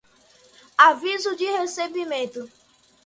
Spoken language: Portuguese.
aviso de recebimento